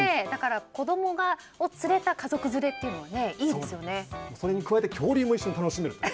子供を連れた家族連れにはそれに加えて恐竜も一緒に楽しめる。